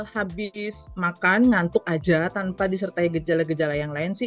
habis makan ngantuk aja tanpa disertai gejala gejala yang lain sih